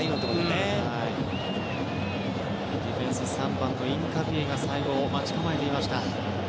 ディフェンス３番のインカピエが最後、待ち構えていました。